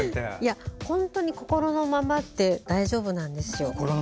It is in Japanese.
本当に心のままで大丈夫なんですよ。